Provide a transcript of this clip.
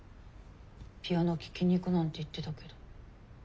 ピアノ聴きに行くなんて言ってたけど。